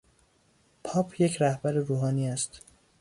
پاپ یک رهبر روحانی است.